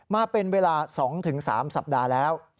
มาเป็นเวลา๒๓สัปดาห์แล้ว